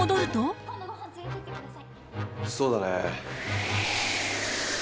そうだね。